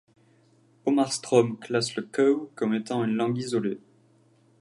Hammarström classe le keuw comme étant une langue isolée.